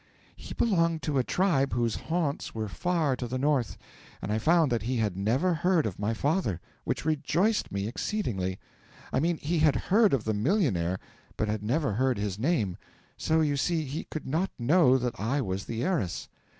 'He belonged to a tribe whose haunts were far to the north, and I found that he had never heard of my father, which rejoiced me exceedingly. I mean he had heard of the millionaire, but had never heard his name so, you see, he could not know that I was the heiress.